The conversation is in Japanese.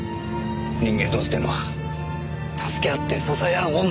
人間同士ってのは助け合って支え合うもんなんだよ。